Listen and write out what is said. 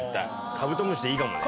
『カブトムシ』でいいかもね。